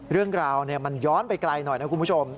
เรื่องราวมันย้อนไปไกลหน่อยนะคุณผู้ชม